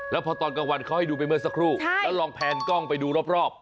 แล้วพอตอนกลางวันเขาให้ดูไปเมื่อสักครู่แล้วลองแพนกล้องไปดูรอบ